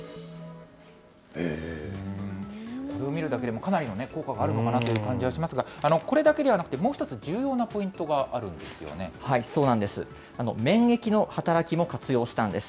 これ見るだけでも、かなりの効果があるのかなという感じがしますが、これだけではなくて、もう一つ重要なポイントがあるんですよそうなんです。